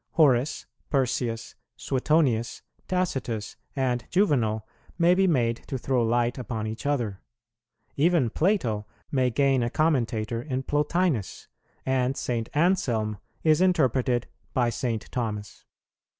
Horace, Persius, Suetonius, Tacitus, and Juvenal may be made to throw light upon each other. Even Plato may gain a commentator in Plotinus, and St. Anselm is interpreted by St. Thomas.